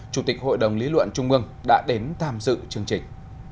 chủ tịch hội đồng lý luận trung ương đã đến tham dự chương trình